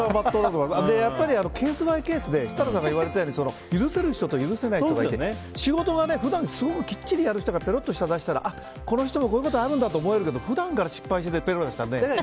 やっぱりケースバイケースで許せる人と許せない人がいて仕事を普段すごくきっちりやる人がペロッと舌を出したら、この人もこういうことあるんだと思えるけど普段から失敗しててペロッしてたらね。